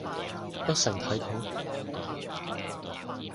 不成體統